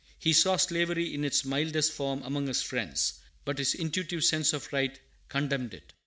He saw slavery in its mildest form among his friends, but his intuitive sense of right condemned it.